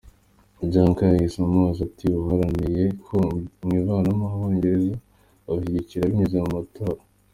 Juncker yahise amubaza ati "Waharaniye ko mwivanamo, Abongereza babishyigikira binyuze mu matora.